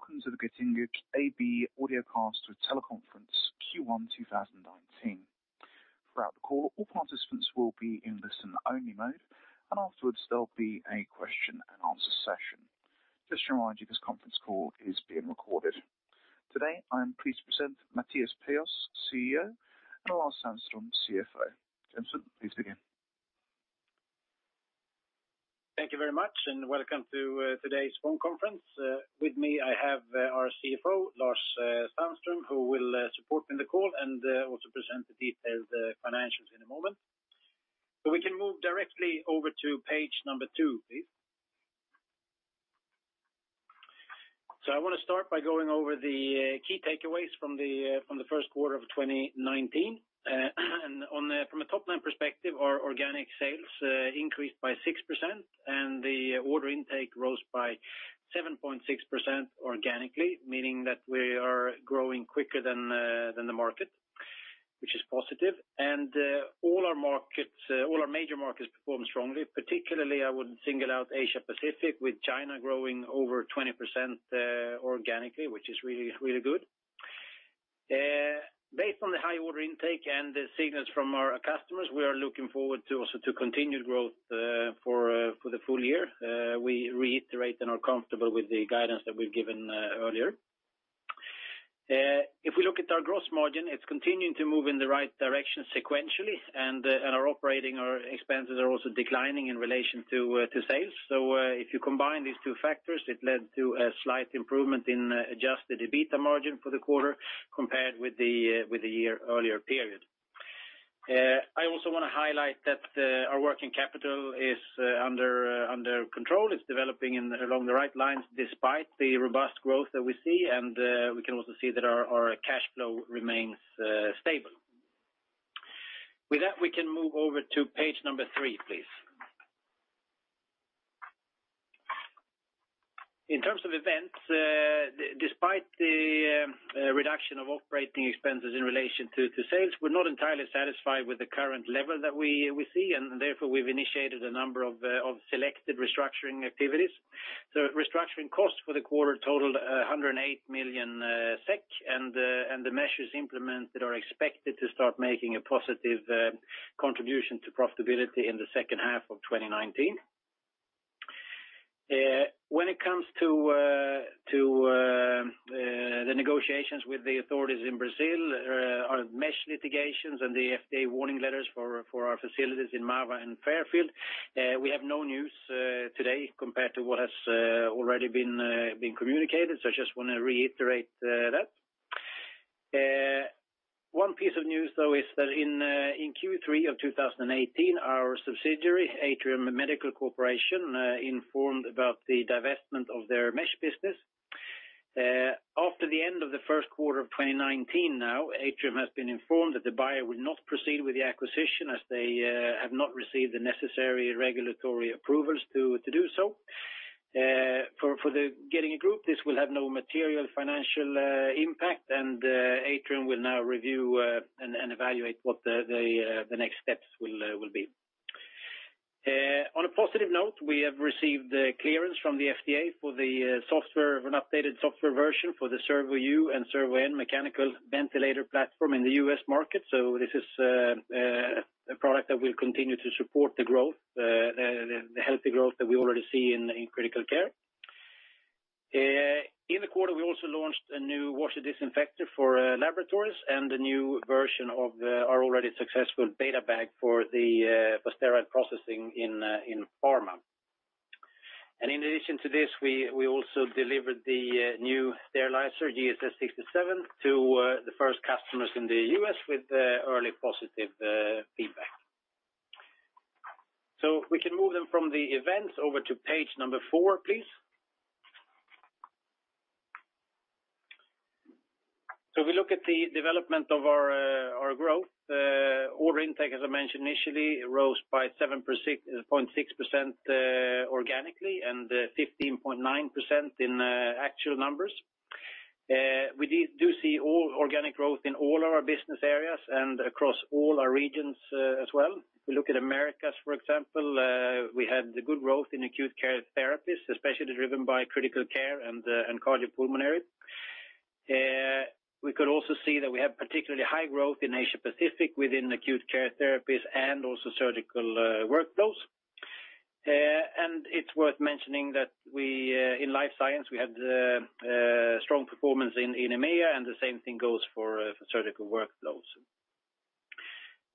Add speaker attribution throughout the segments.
Speaker 1: Welcome to the Getinge AB Audiocast with Teleconference Q1 2019. Throughout the call, all participants will be in listen-only mode, and afterwards, there'll be a question-and-answer session. Just to remind you, this conference call is being recorded. Today, I am pleased to present Mattias Perjos, CEO, and Lars Sandström, CFO. Gentlemen, please begin.
Speaker 2: Thank you very much, and welcome to today's phone conference. With me, I have our CFO, Lars Sandström, who will support me in the call and also present the detailed financials in a moment. So we can move directly over to page number two, please. So I wanna start by going over the key takeaways from the first quarter of 2019. And from a top-line perspective, our organic sales increased by 6%, and the order intake rose by 7.6% organically, meaning that we are growing quicker than the market, which is positive. And all our markets, all our major markets performed strongly. Particularly, I would single out Asia Pacific, with China growing over 20% organically, which is really, really good. Based on the high order intake and the signals from our customers, we are looking forward to also continued growth for the full year. We reiterate and are comfortable with the guidance that we've given earlier. If we look at our gross margin, it's continuing to move in the right direction sequentially, and our operating expenses are also declining in relation to sales. So, if you combine these two factors, it led to a slight improvement in adjusted EBITDA margin for the quarter compared with the year earlier period. I also wanna highlight that our working capital is under control. It's developing along the right lines despite the robust growth that we see, and we can also see that our cash flow remains stable. With that, we can move over to page number three, please. In terms of events, despite the reduction of operating expenses in relation to sales, we're not entirely satisfied with the current level that we see, and therefore, we've initiated a number of selected restructuring activities. So restructuring costs for the quarter totaled 108 million SEK, and the measures implemented are expected to start making a positive contribution to profitability in the second half of 2019. When it comes to the negotiations with the authorities in Brazil, our mesh litigations and the FDA warning letters for our facilities in Mahwah and Fairfield, we have no news today compared to what has already been communicated, so I just wanna reiterate that. One piece of news, though, is that in Q3 of 2018, our subsidiary, Atrium Medical Corporation, informed about the divestment of their mesh business. After the end of the first quarter of 2019 now, Atrium has been informed that the buyer will not proceed with the acquisition, as they have not received the necessary regulatory approvals to do so. For the Getinge Group, this will have no material financial impact, and Atrium will now review and evaluate what the next steps will be. On a positive note, we have received the clearance from the FDA for the software of an updated software version for the Servo-u and Servo-n mechanical ventilator platform in the U.S. market. So this is a product that will continue to support the growth, the healthy growth that we already see in critical care. In the quarter, we also launched a new washer disinfector for laboratories and a new version of our already successful BetaBag for the sterile processing in pharma. In addition to this, we also delivered the new sterilizer, GSS67, to the first customers in the U.S., with early positive feedback. We can move then from the events over to page four, please. We look at the development of our growth. Order intake, as I mentioned initially, rose by 7%, 0.6% organically, and 15.9% in actual numbers. We do see all organic growth in all our business areas and across all our regions, as well. We look at Americas, for example, we had the good growth in Acute Care Therapies, especially driven by Critical Care and cardiopulmonary. We could also see that we have particularly high growth in Asia Pacific within Acute Care Therapies and also Surgical Workflows. It's worth mentioning that we in Life Science had strong performance in EMEA, and the same thing goes for Surgical Workflows.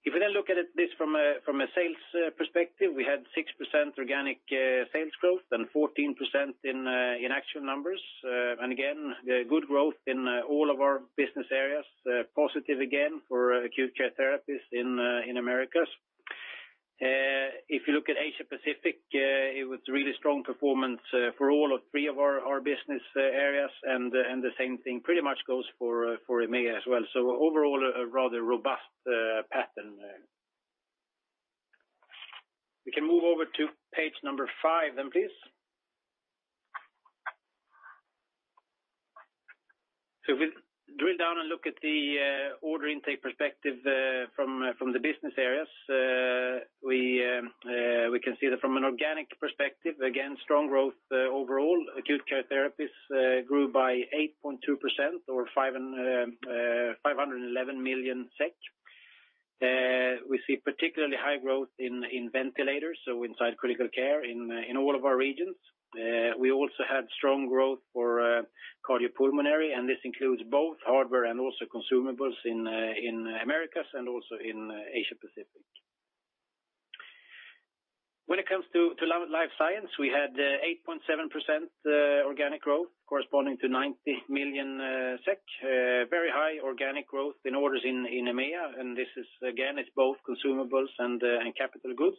Speaker 2: If we then look at it from a sales perspective, we had 6% organic sales growth and 14% in actual numbers. And again, the good growth in all of our business areas, positive again for Acute Care Therapies in Americas. If you look at Asia Pacific, it was really strong performance for all three of our business areas, and the same thing pretty much goes for EMEA as well. So overall, a rather robust pattern there. We can move over to page number five then, please. So if we drill down and look at the order intake perspective from the business areas, we can see that from an organic perspective, again, strong growth overall. Acute Care Therapies grew by 8.2% or 511 million SEK. We see particularly high growth in ventilators, so inside critical care in all of our regions. We also had strong growth for cardiopulmonary, and this includes both hardware and also consumables in Americas and also in Asia Pacific. When it comes to Life Science, we had 8.7% organic growth, corresponding to 90 million SEK. Very high organic growth in orders in EMEA, and this is again, it's both consumables and capital goods.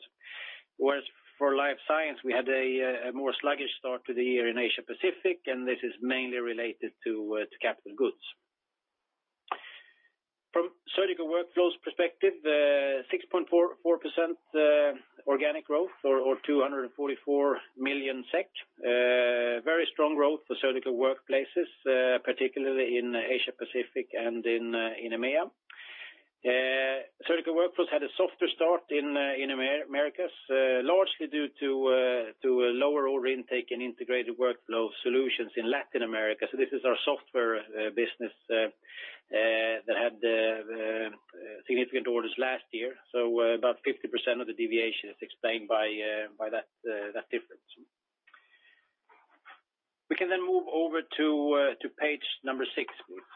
Speaker 2: Whereas for Life Science, we had a more sluggish start to the year in Asia Pacific, and this is mainly related to capital goods. From Surgical Workflows perspective, 6.44% organic growth or 244 million SEK. Very strong growth for surgical workplaces, particularly in Asia Pacific and in EMEA. Surgical Workflows had a softer start in Americas, largely due to a lower order intake in Integrated Workflow Solutions in Latin America. So this is our software business that had the significant orders last year, so about 50% of the deviation is explained by that difference. We can then move over to page six, please.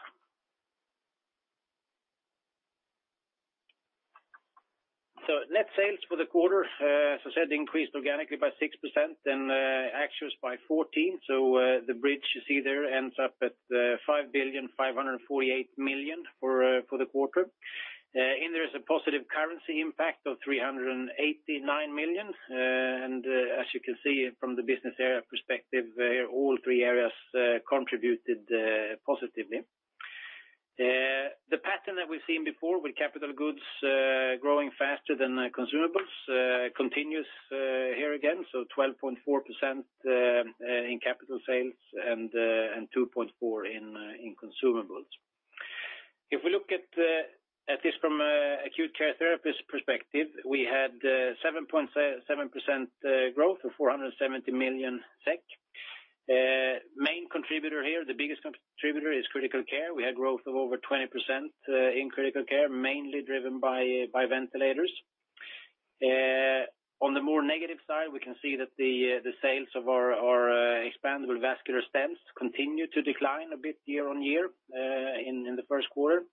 Speaker 2: So net sales for the quarter, as I said, increased organically by 6% and, actually by 14%. So, the bridge you see there ends up at, 5,548 million for, for the quarter. In there is a positive currency impact of 389 million, and as you can see from the business area perspective, all three areas, contributed, positively. The pattern that we've seen before with capital goods, growing faster than the consumables, continues, here again, so 12.4%, in capital sales and, and 2.4% in, in consumables. If we look at, at this from a Acute Care Therapies perspective, we had, 7%, growth of 470 million SEK. Main contributor here, the biggest contributor is critical care. We had growth of over 20%, in critical care, mainly driven by ventilators. On the more negative side, we can see that the sales of our expandable vascular stents continue to decline a bit year-on-year, in the first quarter.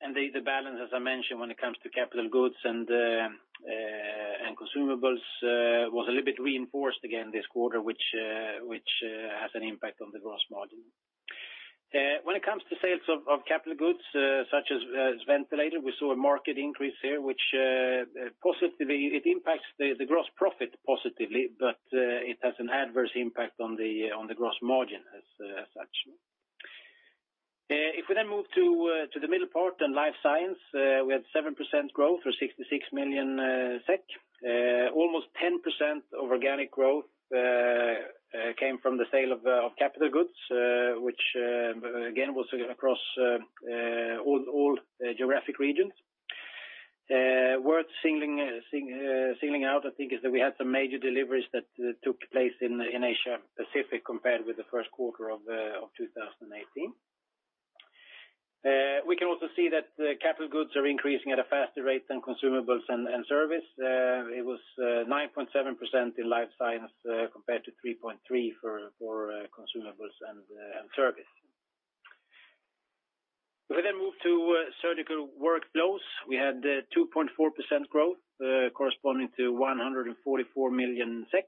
Speaker 2: And the balance, as I mentioned, when it comes to capital goods and consumables, was a little bit reinforced again this quarter, which has an impact on the gross margin. When it comes to sales of capital goods, such as ventilator, we saw a market increase here, which positively it impacts the gross profit positively, but it has an adverse impact on the gross margin as such. If we then move to the middle part, then Life Science, we had 7% growth for 66 million SEK. Almost 10% of organic growth came from the sale of capital goods, which again was across all geographic regions. Worth singling out, I think, is that we had some major deliveries that took place in Asia Pacific, compared with the first quarter of 2018. We can also see that the capital goods are increasing at a faster rate than consumables and service. It was 9.7% in Life Science, compared to 3.3% for consumables and service. We then move to Surgical Workflows. We had 2.4% growth, corresponding to 144 million SEK.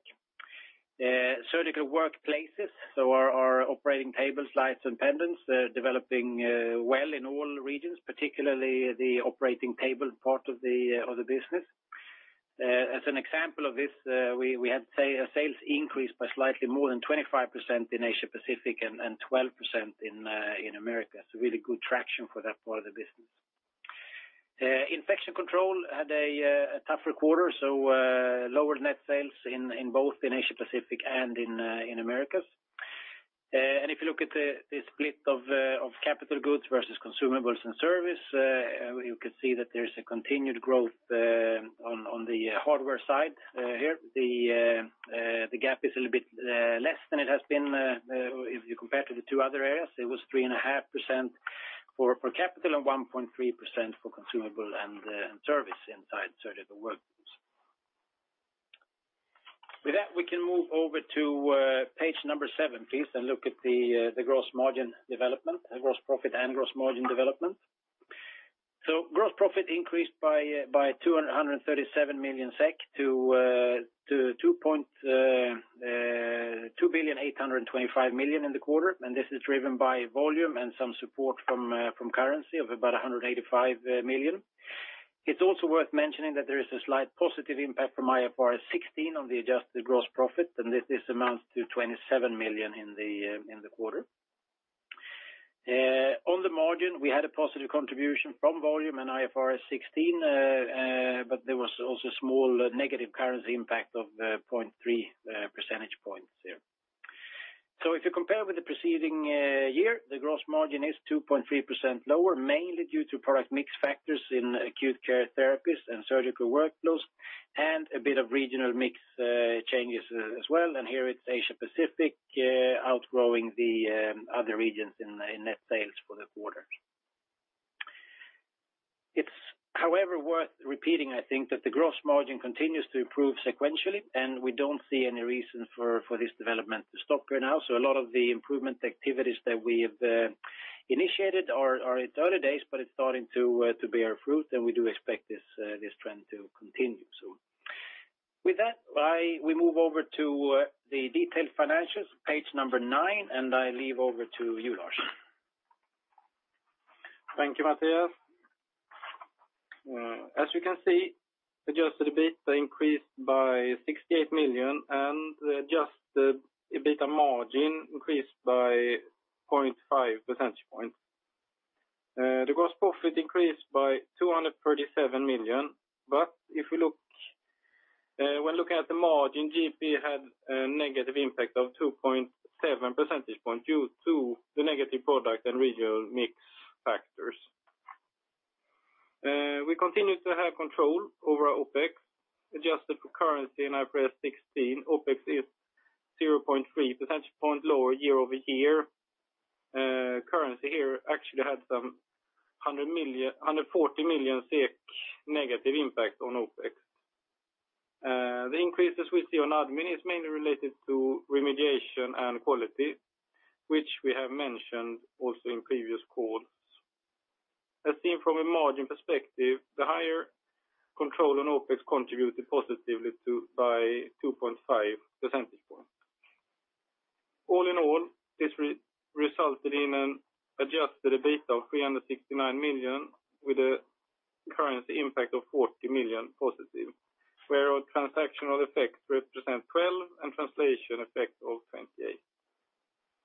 Speaker 2: Surgical workplaces, so our operating tables, lights, and pendants, developing well in all regions, particularly the operating table part of the business. As an example of this, we had a sales increase by slightly more than 25% in Asia Pacific and 12% in Americas. It's a really good traction for that part of the business. Infection control had a tougher quarter, so lower net sales in both Asia Pacific and Americas. And if you look at the split of capital goods versus consumables and service, you can see that there's a continued growth on the hardware side here. The gap is a little bit less than it has been if you compare to the two other areas. It was 3.5% for capital and 1.3% for consumable and service inside Surgical Workflows. With that, we can move over to page seven, please, and look at the gross profit and gross margin development. Gross profit increased by 237 million SEK to 2,825 million in the quarter, and this is driven by volume and some support from currency of about 185 million. It's also worth mentioning that there is a slight positive impact from IFRS 16 on the adjusted gross profit, and this amounts to 27 million in the quarter. On the margin, we had a positive contribution from volume and IFRS 16, but there was also small negative currency impact of 0.3 percentage points there. So if you compare with the preceding year, the gross margin is 2.3% lower, mainly due to product mix factors in Acute Care Therapies and Surgical Workflows, and a bit of regional mix changes as well. And here it's Asia Pacific outgrowing the other regions in the net sales for the quarter. It's however worth repeating, I think, that the gross margin continues to improve sequentially, and we don't see any reason for this development to stop right now. So a lot of the improvement activities that we have initiated are in early days, but it's starting to bear fruit, and we do expect this trend to continue. So with that, we move over to the detailed financials, page number nine, and I leave over to you, Lars.
Speaker 3: Thank you, Mattias. As you can see, adjusted EBITDA increased by 68 million, and the adjusted EBITDA margin increased by 0.5 percentage points. The gross profit increased by 237 million. But if you look, when looking at the margin, GP had a negative impact of 2.7 percentage points due to the negative product and regional mix factors. We continue to have control over our OpEx, adjusted for currency and IFRS 16, OpEx is 0.3 percentage point lower year-over-year. Currency here actually had some hundred million- hundred and forty million SEK negative impact on OpEx. The increases we see on admin is mainly related to remediation and quality, which we have mentioned also in previous calls. As seen from a margin perspective, the higher control on OpEx contributed positively to by 2.5 percentage points. All in all, this resulted in an adjusted EBITDA of 369 million, with a currency impact of 40 million positive, where our transactional effects represent 12 and translation effect of 28.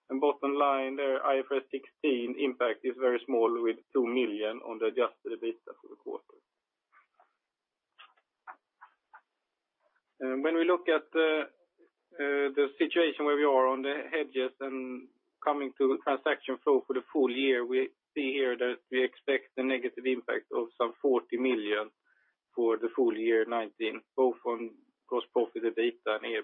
Speaker 3: Bottom line, the IFRS 16 impact is very small, with 2 million on the adjusted EBITDA for the quarter. When we look at the situation where we are on the hedges and coming to the transaction flow for the full year, we see here that we expect a negative impact of some 40 million for the full year 2019, both on gross profit EBITDA and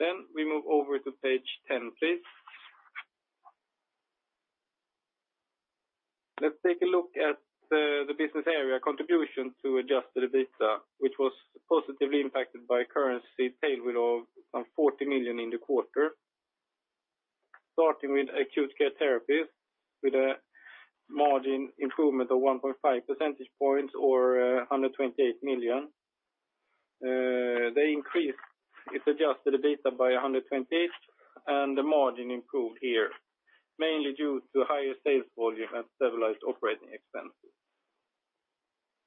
Speaker 3: EBITA. We move over to page 10, please. Let's take a look at the business area contribution to adjusted EBITDA, which was positively impacted by currency tailwind of some 40 million in the quarter. Starting with acute care therapies, with a margin improvement of 1.5 percentage points or 128 million. They increased its Adjusted EBITDA by 128 million, and the margin improved here, mainly due to higher sales volume and stabilized operating expenses.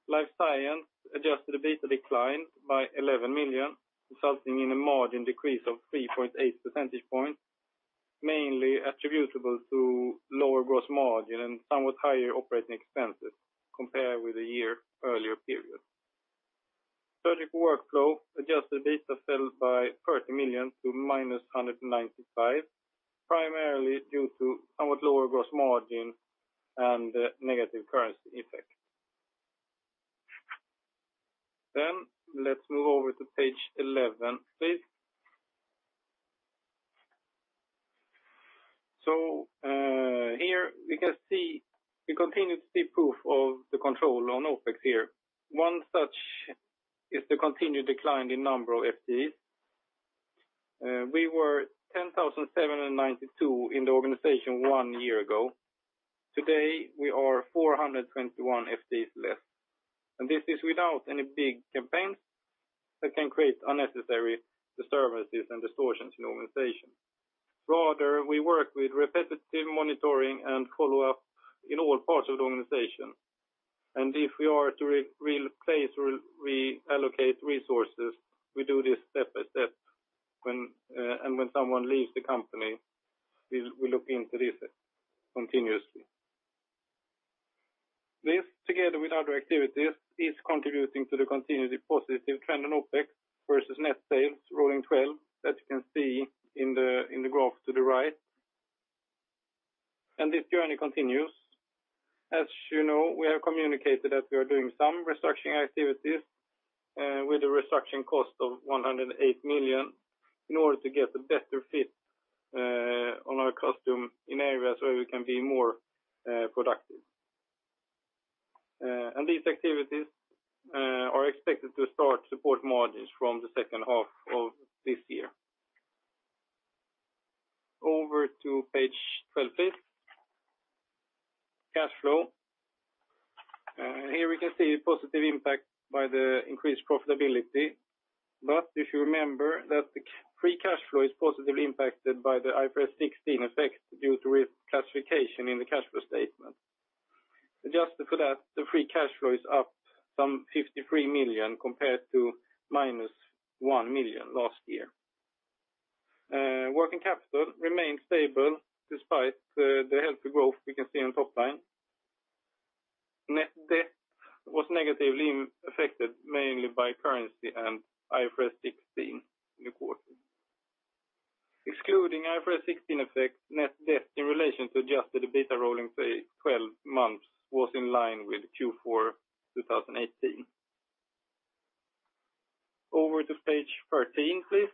Speaker 3: Life science Adjusted EBITDA declined by 11 million, resulting in a margin decrease of 3.8 percentage points, mainly attributable to lower gross margin and somewhat higher operating expenses compared with the year earlier period. Surgical workflow Adjusted EBITDA fell by 30 million to -195 million, primarily due to somewhat lower gross margin and negative currency effect. Let's move over to page 11, please. So, here we can see the continuous proof of the control on OpEx here. One such is the continued decline in number of FTEs. We were 10,792 in the organization one year ago. Today, we are 421 FTEs less, and this is without any big campaigns that can create unnecessary disturbances and distortions in the organization. Rather, we work with repetitive monitoring and follow-up in all parts of the organization, and if we are to replace or reallocate resources, we do this step by step. When and when someone leaves the company, we look into this continuously. This, together with other activities, is contributing to the continued positive trend on OpEx versus net sales rolling twelve, as you can see in the graph to the right. And this journey continues. As you know, we have communicated that we are doing some restructuring activities, with a restructuring cost of 108 million in order to get a better fit on our cost in areas where we can be more productive. These activities are expected to start to support margins from the second half of this year. Over to page 12, please. Cash flow. Here we can see a positive impact by the increased profitability, but if you remember that the free cash flow is positively impacted by the IFRS 16 effect due to reclassification in the cash flow statement. Adjusted for that, the free cash flow is up some 53 million compared to -1 million last year. Working capital remained stable despite the healthy growth we can see on top line. Net debt was negatively affected mainly by currency and IFRS 16 in the quarter. Excluding IFRS 16 effect, net debt in relation to adjusted EBITDA rolling twelve months was in line with Q4 2018. Over to page 13, please.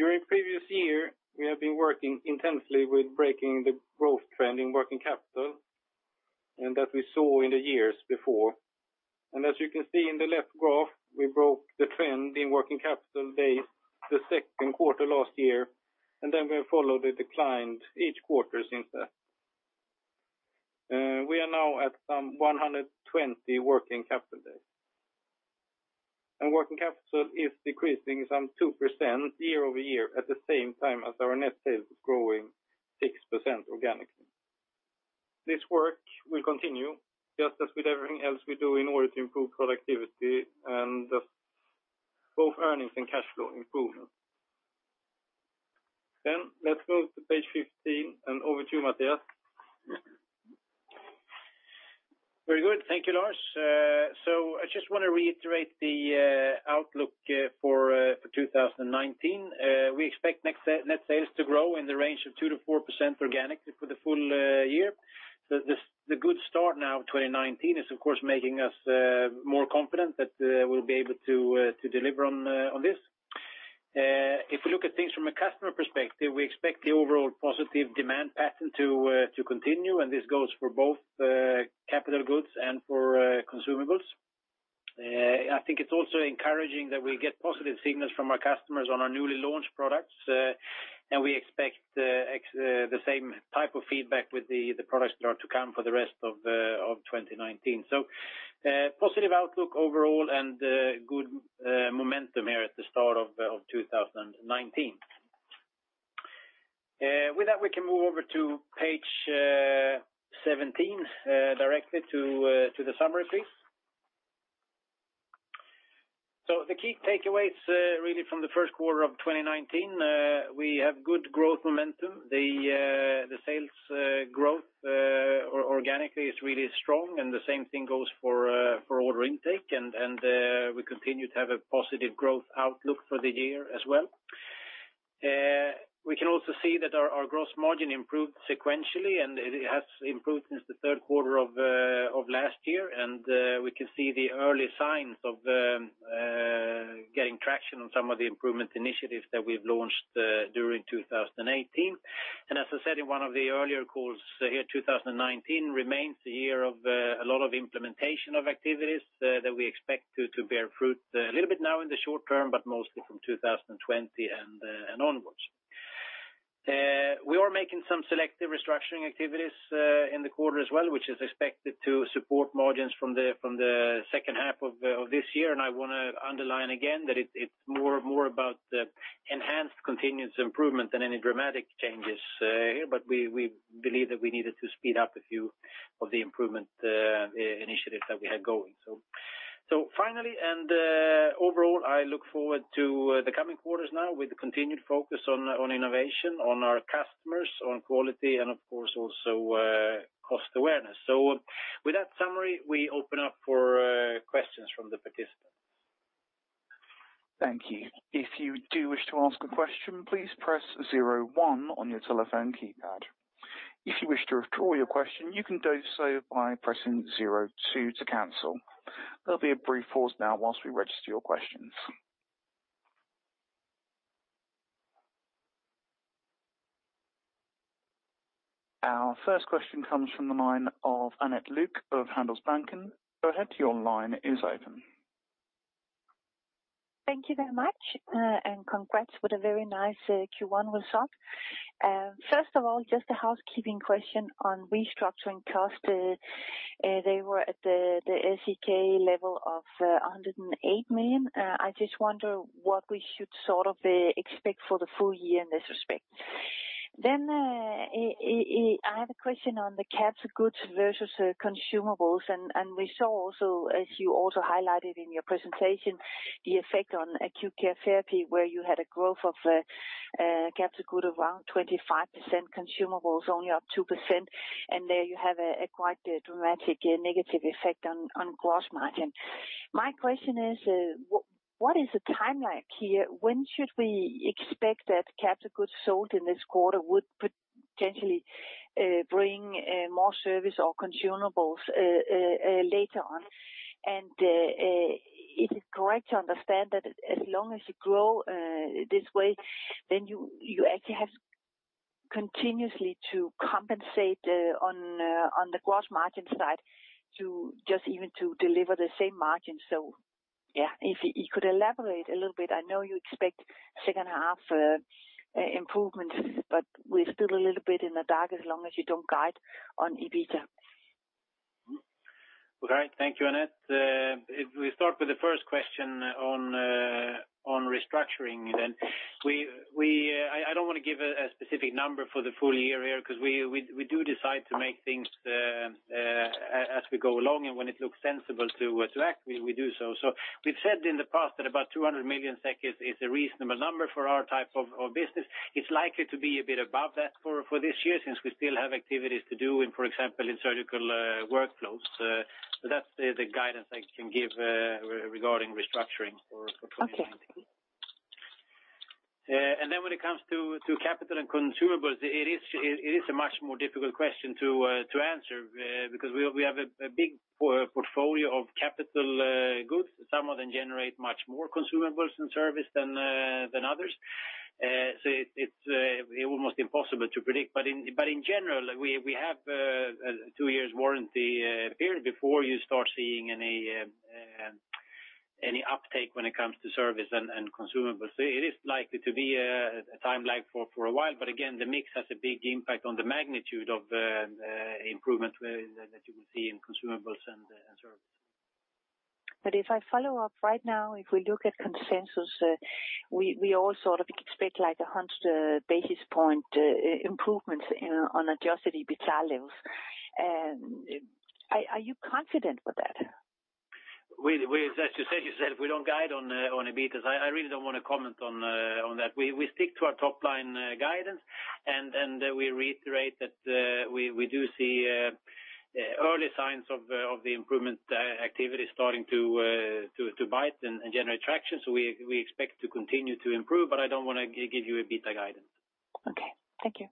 Speaker 3: During previous year, we have been working intensely with breaking the growth trend in working capital, and that we saw in the years before. And as you can see in the left graph, we broke the trend in working capital days, the second quarter last year, and then we followed the decline each quarter since that. We are now at some 120 working capital days. And working capital is decreasing some 2% year-over-year, at the same time as our net sales is growing 6% organically. This work will continue, just as with everything else we do in order to improve productivity and just both earnings and cash flow improvement. Let's move to page 15, and over to you, Mattias.
Speaker 2: Very good. Thank you, Lars. So I just want to reiterate the outlook for 2019. We expect net sales to grow in the range of 2%-4% organically for the full year. So the good start now of 2019 is, of course, making us more confident that we'll be able to deliver on this. If you look at things from a customer perspective, we expect the overall positive demand pattern to continue, and this goes for both capital goods and for consumables. I think it's also encouraging that we get positive signals from our customers on our newly launched products, and we expect the same type of feedback with the products that are to come for the rest of 2019. So, positive outlook overall and good momentum here at the start of 2019. With that, we can move over to page 17 directly to the summary, please. So the key takeaways really from the first quarter of 2019, we have good growth momentum. The sales growth organically is really strong, and the same thing goes for order intake, and we continue to have a positive growth outlook for the year as well. We can also see that our gross margin improved sequentially, and it has improved since the third quarter of last year. And we can see the early signs of getting traction on some of the improvement initiatives that we've launched during 2018. And as I said in one of the earlier calls, here, 2019 remains the year of a lot of implementation of activities that we expect to bear fruit a little bit now in the short term, but mostly from 2020 and onwards. We are making some selective restructuring activities in the quarter as well, which is expected to support margins from the second half of this year. And I want to underline again that it's more about the enhanced continuous improvement than any dramatic changes here. But we believe that we needed to speed up a few of the improvement initiatives that we had going. So finally, and overall, I look forward to the coming quarters now with the continued focus on innovation, on our customers, on quality, and of course, also cost awareness. So with that summary, we open up for questions from the participants.
Speaker 1: Thank you. If you do wish to ask a question, please press zero one on your telephone keypad. If you wish to withdraw your question, you can do so by pressing zero two to cancel. There'll be a brief pause now whilst we register your questions. Our first question comes from the line of Annette Lykke of Handelsbanken. Go ahead, your line is open.
Speaker 4: Thank you very much, and congrats with a very nice Q1 result. First of all, just a housekeeping question on restructuring costs. They were at the SEK level of 108 million. I just wonder what we should sort of expect for the full year in this respect. Then I have a question on the capital goods versus consumables, and we saw also, as you also highlighted in your presentation, the effect on acute care therapy, where you had a growth of capital goods around 25%, consumables only up 2%, and there you have a quite dramatic negative effect on gross margin. My question is, what is the timeline here? When should we expect that capital goods sold in this quarter would potentially bring more service or consumables later on? And is it correct to understand that as long as you grow this way, then you actually have continuously to compensate on the gross margin side to just even deliver the same margin? So, yeah, if you could elaborate a little bit. I know you expect second half improvements, but we're still a little bit in the dark as long as you don't guide on EBITDA.
Speaker 2: All right, thank you, Annette. If we start with the first question on restructuring, then I don't want to give a specific number for the full year here, because we do decide to make things as we go along, and when it looks sensible to act, we do so. So we've said in the past that about 200 million SEK is a reasonable number for our type of business. It's likely to be a bit above that for this year, since we still have activities to do in, for example, in Surgical Workflows. So that's the guidance I can give regarding restructuring for 2019.
Speaker 4: Okay.
Speaker 2: And then when it comes to capital and consumables, it is a much more difficult question to answer because we have a big portfolio of capital goods. Some of them generate much more consumables and service than others. So it's almost impossible to predict. But in general, we have a two years warranty period before you start seeing any uptake when it comes to service and consumables. So it is likely to be a time lag for a while, but again, the mix has a big impact on the magnitude of the improvement that you will see in consumables and service.
Speaker 4: But if I follow up right now, if we look at consensus, we all sort of expect, like, 100 basis points improvements in on Adjusted EBITDA levels. Are you confident with that?
Speaker 2: We, as you said yourself, we don't guide on EBITDA. I really don't want to comment on that. We stick to our top line guidance, and then we reiterate that we do see early signs of the improvement activity starting to bite and generate traction. So we expect to continue to improve, but I don't want to give you a EBITDA guidance.
Speaker 4: Okay. Thank you.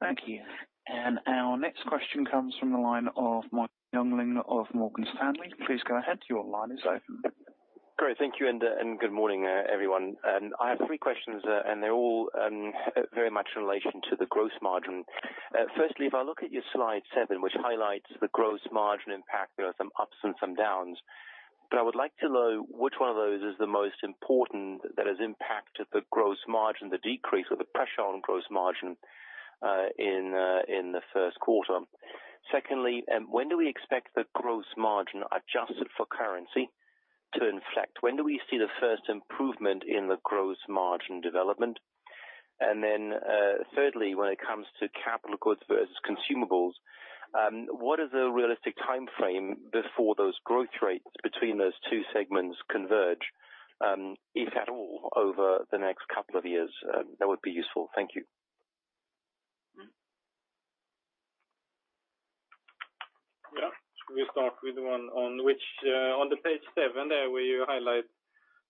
Speaker 1: Thank you. Our next question comes from the line of Michael Jungling of Morgan Stanley. Please go ahead. Your line is open.
Speaker 5: Great, thank you, and good morning, everyone. I have three questions, and they're all very much in relation to the gross margin. Firstly, if I look at your slide seven, which highlights the gross margin impact, there are some ups and some downs, but I would like to know which one of those is the most important that has impacted the gross margin, the decrease or the pressure on gross margin in the first quarter. Secondly, when do we expect the gross margin, adjusted for currency, to inflect? When do we see the first improvement in the gross margin development? And then, thirdly, when it comes to capital goods versus consumables, what is a realistic timeframe before those growth rates between those two segments converge, if at all, over the next couple of years? That would be useful. Thank you.
Speaker 3: Yeah. We start with the one on which, on the page seven, there we highlight,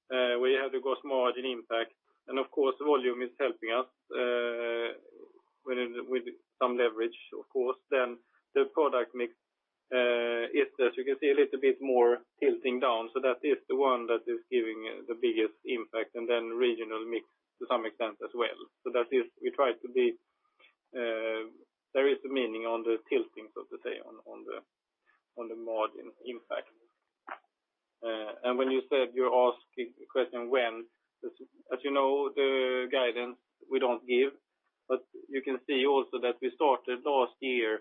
Speaker 3: where you have the gross margin impact, and of course, volume is helping us, with some leverage, of course. Then the product mix is, as you can see, a little bit more tilting down, so that is the one that is giving the biggest impact, and then regional mix to some extent as well. So that is, we try to be, there is a meaning on the tilting, so to say, on the margin impact. When you said you're asking the question when, as you know, the guidance we don't give, but you can see also that we started last year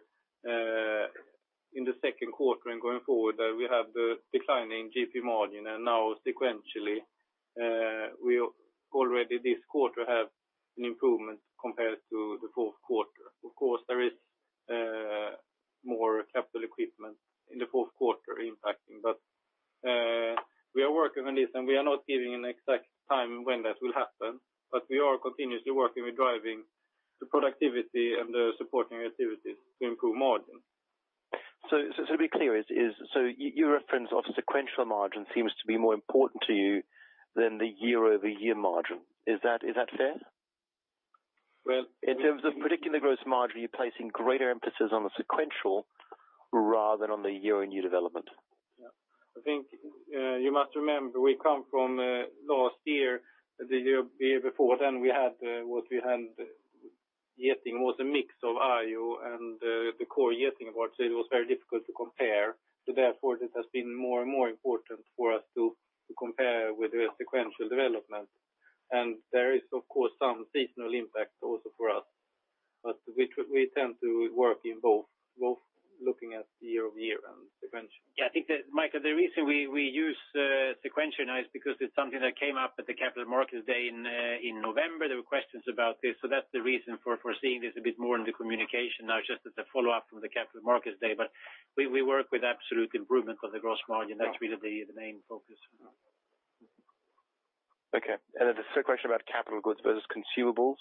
Speaker 3: in the second quarter and going forward that we have the declining GP margin, and now sequentially we already this quarter have an improvement compared to the fourth quarter. Of course, there is more capital equipment in the fourth quarter impacting, but we are working on this, and we are not giving an exact time when that will happen, but we are continuously working with driving the productivity and the supporting activities to improve margin.
Speaker 5: So your reference of sequential margin seems to be more important to you than the year-over-year margin. Is that fair?
Speaker 3: Well
Speaker 5: In terms of predicting the gross margin, you're placing greater emphasis on the sequential rather than on the year-on-year development.
Speaker 3: Yeah. I think, you must remember, we come from, last year, the year before then, we had, what we had Getinge was a mix of IO and, the core Getinge part, so it was very difficult to compare. So therefore, it has been more and more important for us to compare with the sequential development. And there is, of course, some seasonal impact also for us, but we tend to work in both, both looking at year-over-year and sequential.
Speaker 2: Yeah, I think that, Michael, the reason we use sequential now is because it's something that came up at the Capital Markets Day in November. There were questions about this, so that's the reason for seeing this a bit more in the communication now, just as a follow-up from the Capital Markets Day. But we work with absolute improvement of the gross margin. That's really the main focus.
Speaker 5: Okay. And then the second question about capital goods versus consumables?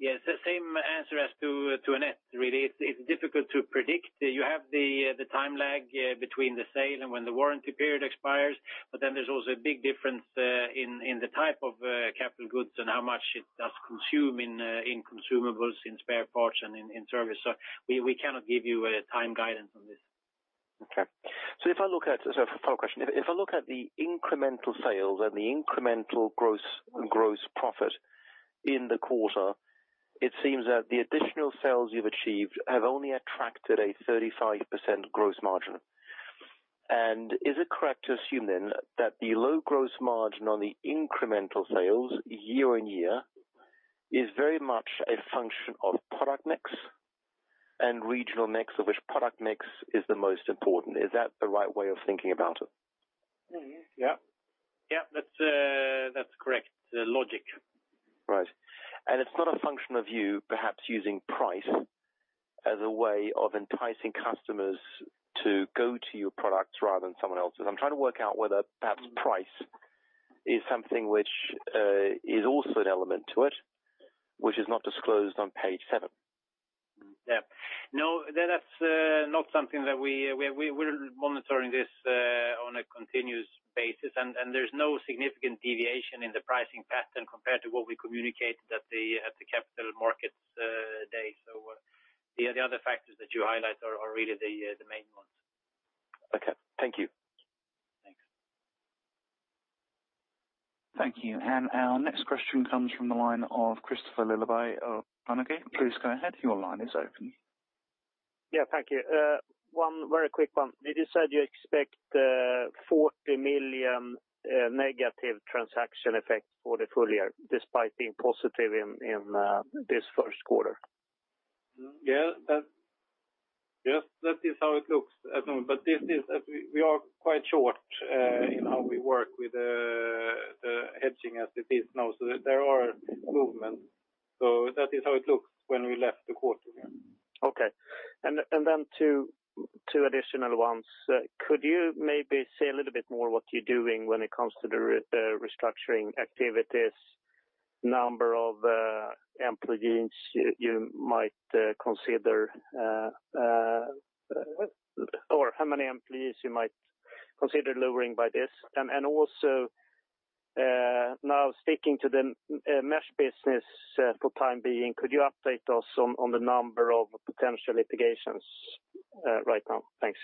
Speaker 2: Yes, the same answer as to Annette, really. It's difficult to predict. You have the time lag between the sale and when the warranty period expires, but then there's also a big difference in the type of capital goods and how much it does consume in consumables, in spare parts, and in service. So we cannot give you a time guidance on this.
Speaker 5: Okay. So if I look at, so final question, if I look at the incremental sales and the incremental gross, gross profit in the quarter, it seems that the additional sales you've achieved have only attracted a 35% gross margin. Is it correct to assume then, that the low gross margin on the incremental sales year-on-year, is very much a function of product mix and regional mix, of which product mix is the most important? Is that the right way of thinking about it?
Speaker 2: Yeah. Yeah, that's, that's correct, the logic.
Speaker 5: Right. And it's not a function of you perhaps using price as a way of enticing customers to go to your products rather than someone else's. I'm trying to work out whether perhaps price is something which is also an element to it, which is not disclosed on page seven.
Speaker 2: Yeah. No, that's not something that we're monitoring this on a continuous basis, and there's no significant deviation in the pricing pattern compared to what we communicated at the capital markets day. So the other factors that you highlight are really the main ones.
Speaker 5: Okay. Thank you.
Speaker 2: Thanks.
Speaker 1: Thank you. Our next question comes from the line of Christopher Sheridan of Bank. Please go ahead. Your line is open.
Speaker 6: Yeah, thank you. One very quick one. You just said you expect 40 million negative transaction effect for the full year, despite being positive in this first quarter.
Speaker 2: Yeah, that. Yes, that is how it looks at the moment, but this is, we, we are quite short in how we work with the hedging as it is now, so there are movement. So that is how it looks when we left the quarter, yeah.
Speaker 6: Okay. And then two additional ones. Could you maybe say a little bit more what you're doing when it comes to the restructuring activities, number of employees you might consider or how many employees you might consider lowering by this? And also, now speaking to the mesh business, for time being, could you update us on the number of potential litigations right now? Thanks.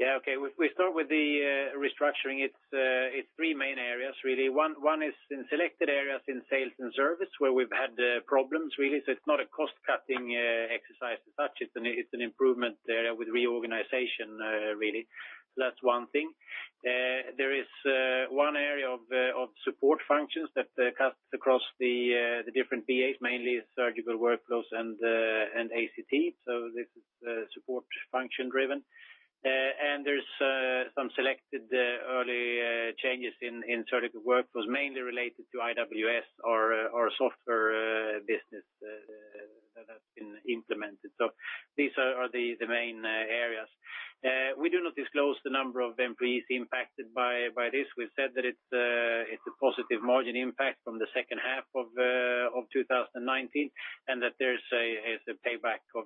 Speaker 2: Yeah, okay. We start with the restructuring. It's three main areas, really. One is in selected areas in sales and service, where we've had problems, really. So it's not a cost-cutting exercise as such; it's an improvement area with reorganization, really. So that's one thing. There is one area of support functions that cuts across the different BAs, mainly Surgical Workflows and ACT. So this is support function driven. And there's some selected early changes in Surgical Workflows, mainly related to IWS or software business that has been implemented. So these are the main areas. We do not disclose the number of employees impacted by this. We've said that it's a positive margin impact from the second half of 2019, and that there's a payback of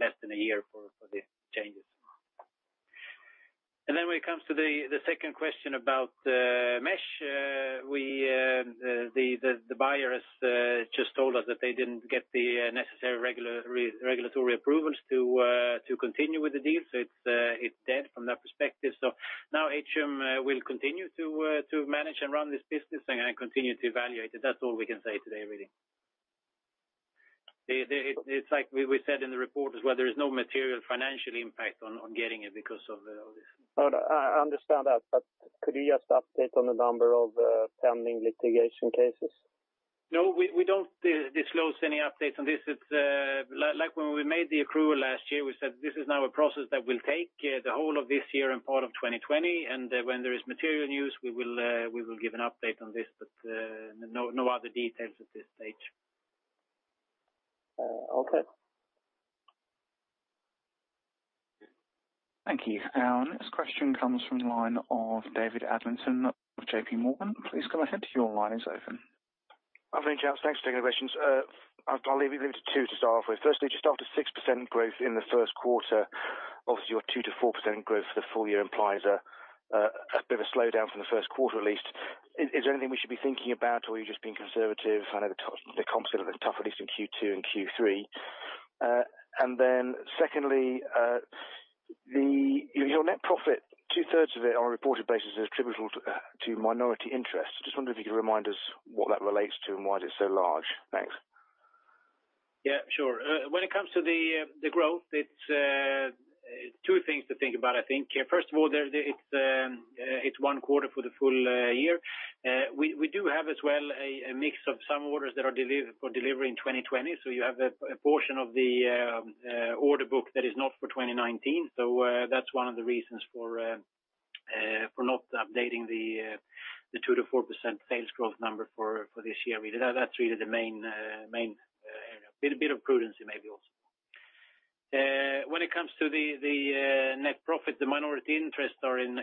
Speaker 2: less than a year for the changes. Then when it comes to the second question about mesh, the buyer has just told us that they didn't get the necessary regulatory approvals to continue with the deal. So it's dead from that perspective. So now Atrium will continue to manage and run this business and continue to evaluate it. That's all we can say today, really. It's like we said in the report as well, there is no material financial impact on Getinge because of this.
Speaker 6: I understand that, but could you just update on the number of pending litigation cases?
Speaker 2: No, we don't disclose any updates on this. It's like when we made the approval last year, we said this is now a process that will take the whole of this year and part of 2020, and when there is material news, we will give an update on this, but no, no other details at this stage.
Speaker 6: Uh, okay.
Speaker 1: Thank you. Our next question comes from the line of David Adlington of JPMorgan. Please go ahead, your line is open.
Speaker 7: Thanks for taking the questions. I'll limit it to two to start off with. Firstly, just after 6% growth in the first quarter, obviously, your 2%-4% growth for the full year implies a bit of a slowdown from the first quarter, at least. Is there anything we should be thinking about, or are you just being conservative? I know the comp, the comp is a bit tough, at least in Q2 and Q3. And then secondly, your net profit, two-thirds of it on a reported basis, is attributable to minority interests. Just wondering if you could remind us what that relates to and why it is so large. Thanks.
Speaker 2: Yeah, sure. When it comes to the growth, it's two things to think about, I think. First of all, it's one quarter for the full year. We do have as well a mix of some orders that are delivered for delivery in 2020. So you have a portion of the order book that is not for 2019. So that's one of the reasons for not updating the 2%-4% sales growth number for this year. That's really the main area. A bit of prudence, maybe also. When it comes to the net profit, the minority interests are in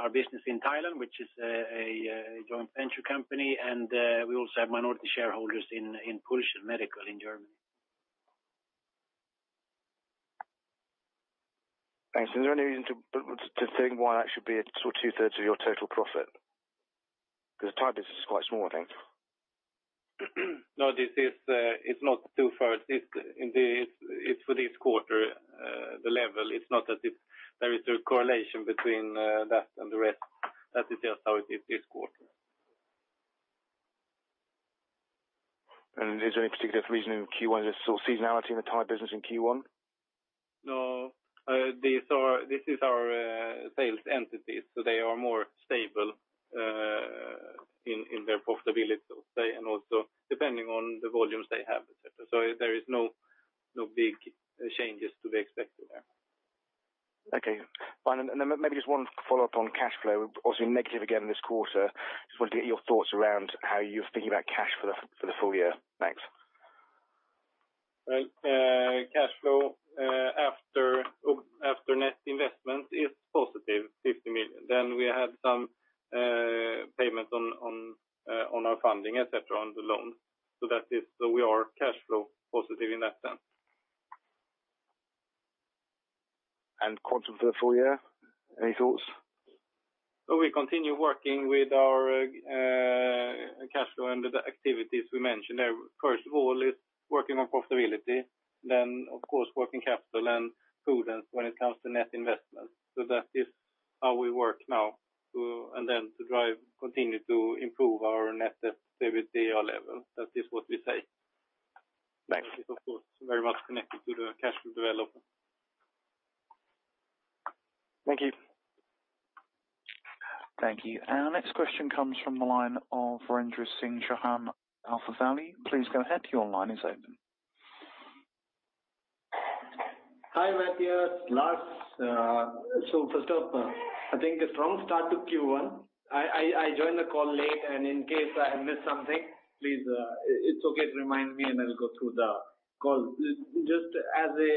Speaker 2: our business in Thailand, which is a joint venture company, and we also have minority shareholders in Pulsion Medical in Germany.
Speaker 7: Thanks. Is there any reason to think why that should be two-thirds of your total profit? Because the target is quite small, I think.
Speaker 2: No, this is, it's not two-thirds. It's, in the, it's for this quarter, the level. It's not that it, there is a correlation between, that and the rest. That is just how it is this quarter.
Speaker 7: Is there any particular reason in Q1? Just saw seasonality in the entire business in Q1?
Speaker 2: No, these are, this is our sales entities, so they are more stable in their profitability, so say, and also depending on the volumes they have, et cetera. So there is no big changes to be expected there.
Speaker 7: Okay, fine. And then maybe just one follow-up on cash flow, also negative again, this quarter. Just want to get your thoughts around how you're thinking about cash for the, for the full year. Thanks.
Speaker 2: Right. Cash flow after net investment is positive 50 million. Then we had some payment on our funding, et cetera, on the loan. So that is, so we are cash flow positive in that sense.
Speaker 7: Quantum for the full year, any thoughts?
Speaker 2: So we continue working with our cash flow and the activities we mentioned there. First of all, is working on profitability, then, of course, working capital and prudence when it comes to net investment. So that is how we work now, and then to drive, continue to improve our net activity or level. That is what we say.
Speaker 7: Thanks.
Speaker 2: Of course, very much connected to the cash flow development.
Speaker 7: Thank you.
Speaker 1: Thank you. Our next question comes from the line of Veronika Dubajova, AlphaValue. Please go ahead. Your line is open.
Speaker 8: Hi, Mattias, Lars. So first off, I think a strong start to Q1. I joined the call late, and in case I missed something, please, it's okay to remind me, and I'll go through the call. Just as a,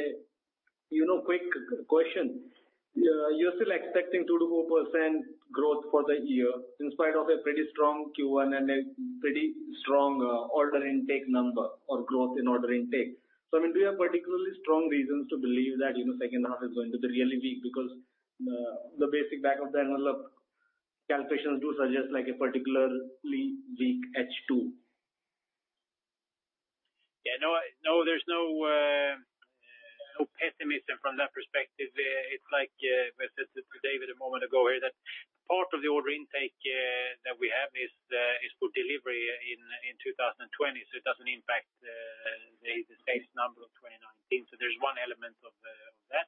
Speaker 8: you know, quick question, you're still expecting 2%-4% growth for the year, in spite of a pretty strong Q1 and a pretty strong order intake number or growth in order intake. So I mean, do you have particularly strong reasons to believe that, you know, second half is going to be really weak? Because the basic back of the envelope calculations do suggest, like, a particularly weak H2.
Speaker 2: Yeah, no, no, there's no pessimism from that perspective. It's like I said to David a moment ago here, that part of the order intake that we have is for delivery in 2020, so it doesn't impact the sales number of 2019. So there's one element of that.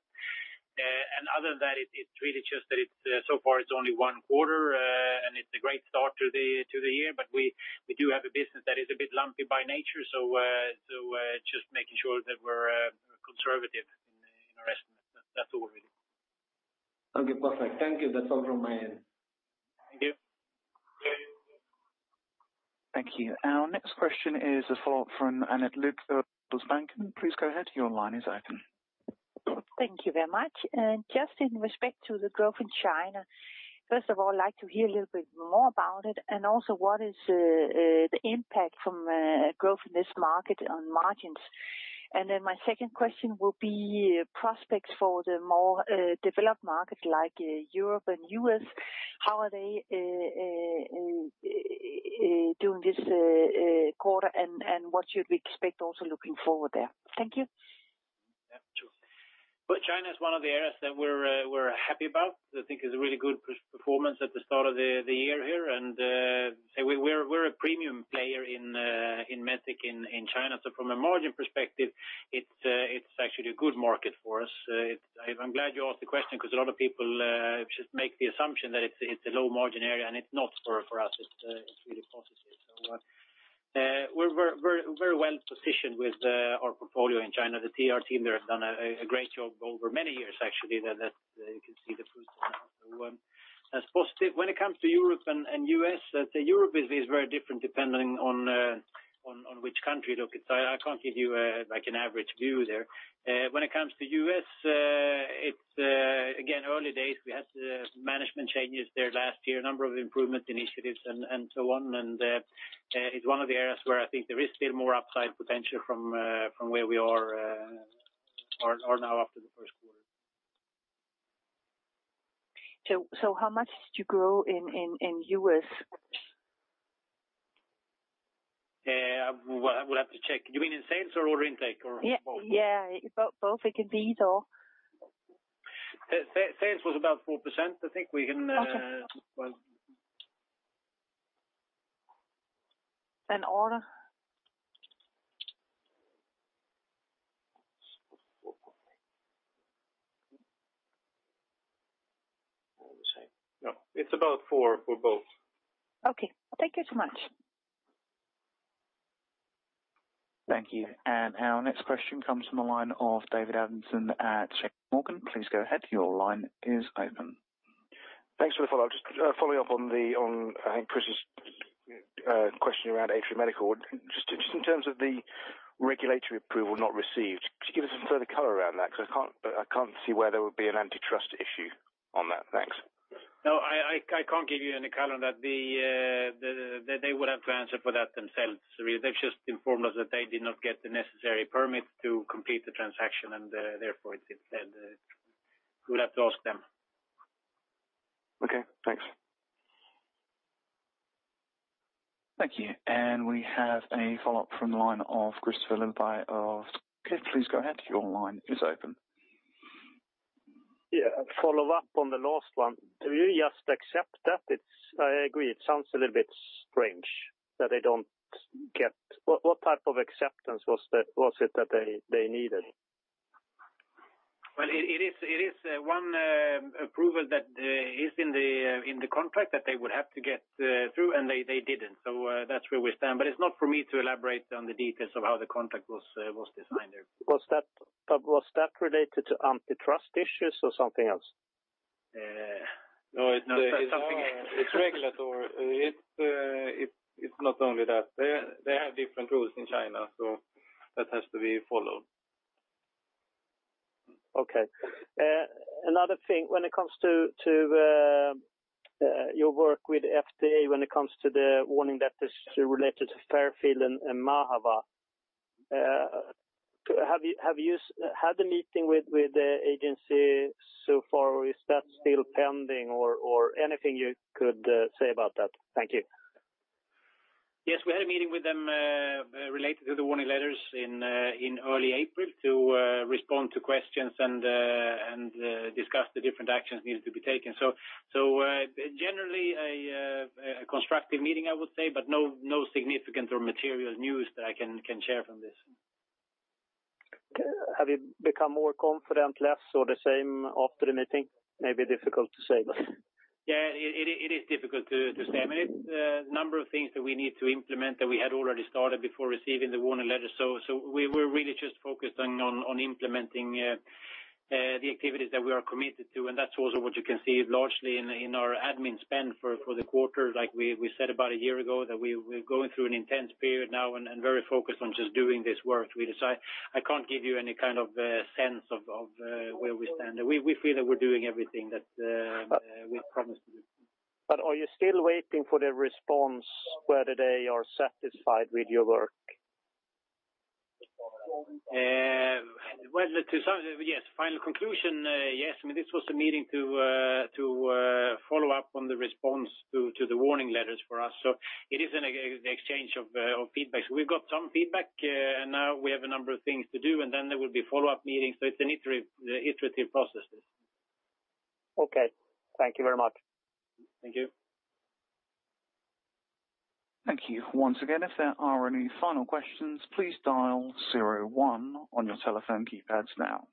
Speaker 2: And other than that, it's really just that it's so far it's only one quarter, and it's a great start to the year. But we do have a business that is a bit lumpy by nature, so just making sure that we're conservative in our estimates. That's all really.
Speaker 8: Okay, perfect. Thank you. That's all from my end.
Speaker 2: Thank you.
Speaker 1: Thank you. Our next question is a follow-up from Annette Lykke, Handelsbanken. Please go ahead. Your line is open.
Speaker 4: Thank you very much. And just in respect to the growth in China, first of all, I'd like to hear a little bit more about it, and also, what is the impact from growth in this market on margins? And then my second question will be prospects for the more developed markets like Europe and U.S. How are they doing this quarter, and what should we expect also looking forward there? Thank you.
Speaker 2: Yeah, sure. Well, China is one of the areas that we're happy about. I think it's a really good performance at the start of the year here. And so we're a premium player in medtech in China. So from a margin perspective, it's actually a good market for us. I'm glad you asked the question because a lot of people just make the assumption that it's a low margin area, and it's not for us. It's really positive. So we're very well positioned with our portfolio in China. The TR team there have done a great job over many years, actually, that you can see the fruits. As positive when it comes to Europe and U.S., the Europe is very different depending on which country you look at. I can't give you, like, an average view there. When it comes to U.S., it's again early days. We had management changes there last year, a number of improvement initiatives and so on. It's one of the areas where I think there is still more upside potential from where we are now after the first quarter.
Speaker 4: So, how much did you grow in U.S.?
Speaker 2: I will have to check. You mean in sales or order intake or both?
Speaker 4: Yeah, yeah, both. It could be it all.
Speaker 2: Sales was about 4%. I think we can,
Speaker 4: Okay. And order?
Speaker 2: No, it's about four for both.
Speaker 4: Okay. Thank you so much.
Speaker 1: Thank you. Our next question comes from the line of David Adlington at JPMorgan. Please go ahead. Your line is open.
Speaker 7: Thanks for the follow-up. Just, following up on the, on, I think, Chris's, question around Atrium Medical. Just, just in terms of the regulatory approval not received, could you give us some further color around that? Because I can't, I can't see where there would be an antitrust issue on that. Thanks.
Speaker 2: No, I can't give you any color on that. They would have to answer for that themselves. They've just informed us that they did not get the necessary permits to complete the transaction, and therefore, we'll have to ask them.
Speaker 7: Okay, thanks.
Speaker 1: Thank you. We have a follow-up from the line of Christopher Sheridan of Bank Please go ahead. Your line is open.
Speaker 6: Yeah, a follow-up on the last one. Do you just accept that it's, I agree, it sounds a little bit strange that they don't get what, what type of acceptance was that, was it that they, they needed?
Speaker 2: Well, it is, it is one approval that is in the, in the contract that they would have to get through, and they, they didn't. So, that's where we stand. But it's not for me to elaborate on the details of how the contract was, was designed there.
Speaker 6: Was that related to antitrust issues or something else?
Speaker 2: No, it's
Speaker 1: Something else.
Speaker 2: It's regulatory. It's not only that. They have different rules in China, so that has to be followed.
Speaker 6: Okay. Another thing, when it comes to your work with FDA, when it comes to the warning that is related to Fairfield and Mahwah. Have you had a meeting with the agency so far, or is that still pending or anything you could say about that? Thank you.
Speaker 2: Yes, we had a meeting with them related to the warning letters in early April to respond to questions and discuss the different actions needed to be taken. So, generally, a constructive meeting, I would say, but no significant or material news that I can share from this.
Speaker 6: Okay. Have you become more confident, less, or the same after the meeting? Maybe difficult to say, but
Speaker 2: Yeah, it is difficult to say. I mean, it's a number of things that we need to implement that we had already started before receiving the warning letter. So, we're really just focusing on implementing the activities that we are committed to, and that's also what you can see largely in our admin spend for the quarter. Like we said about a year ago, that we're going through an intense period now and very focused on just doing this work. I can't give you any kind of sense of where we stand. We feel that we're doing everything that we promised to do.
Speaker 6: But are you still waiting for the response, whether they are satisfied with your work?
Speaker 2: Well, to some yes. Final conclusion, yes. I mean, this was a meeting to follow up on the response to the warning letters for us. So it is an exchange of feedback. So we've got some feedback, and now we have a number of things to do, and then there will be follow-up meetings. So it's an iterative processes.
Speaker 6: Okay. Thank you very much.
Speaker 2: Thank you.
Speaker 1: Thank you. Once again, if there are any final questions, please dial zero-one on your telephone keypads now.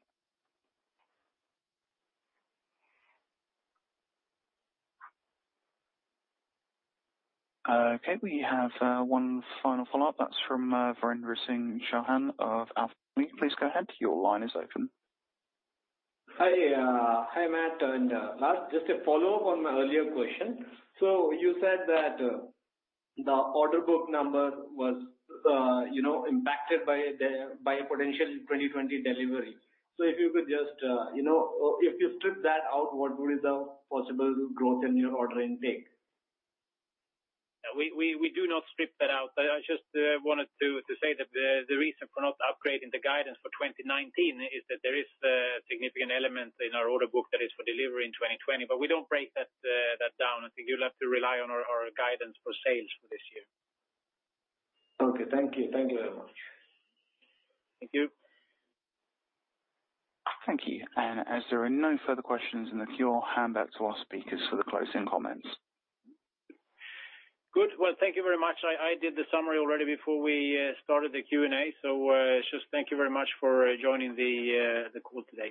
Speaker 1: Okay, we have one final follow-up. That's from Veronika Dubajova of AlphaValue. Please go ahead. Your line is open.
Speaker 8: Hi, Matt and Lars. Just a follow-up on my earlier question. So you said that the order book number was, you know, impacted by the, by a potential 2020 delivery. So if you could just, you know, if you strip that out, what would be the possible growth in your order intake?
Speaker 2: We do not strip that out, but I just wanted to say that the reason for not upgrading the guidance for 2019 is that there is a significant element in our order book that is for delivery in 2020, but we don't break that down. I think you'll have to rely on our guidance for sales for this year.
Speaker 8: Okay. Thank you. Thank you very much.
Speaker 2: Thank you.
Speaker 1: Thank you. As there are no further questions on the queue, I'll hand back to our speakers for the closing comments.
Speaker 2: Good. Well, thank you very much. I, I did the summary already before we started the Q&A. So, just thank you very much for joining the call today.